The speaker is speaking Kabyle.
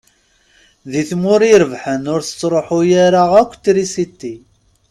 Di tmura irebḥen ur tettṛuḥu ara akk trisiti.